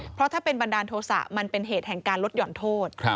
เพราะถ้าเป็นบันดาลโทษะมันเป็นเหตุแห่งการลดห่อนโทษ